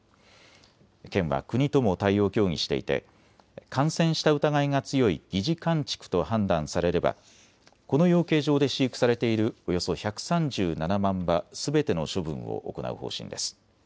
県は国とも対応を協議していて感染した疑いが強い疑似患畜と判断されればこの養鶏場で飼育されているおよそ１３７万羽すべての処分を行う方針です。